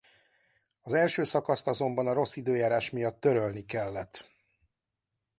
Az első szakaszt azonban a rossz időjárás miatt törölni kellett.